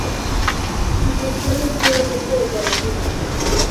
Su función es puramente decorativa.